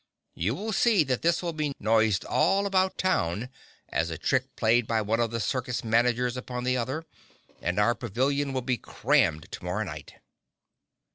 You will see that this will be noised all about town as a trick played by one of the circus managers upon the other, and our pavilion will be crammed to morrow night."